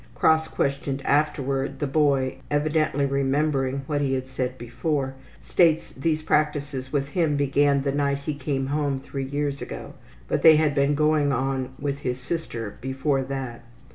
Cross questioned afterward, the boy (evidently remembering what he said before) states these practices with him began the night he came home three years ago, but they had been going on with his sister before that.